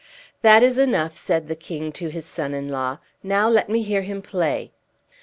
"That is enough," said the king to his son in law; "now let me hear him play."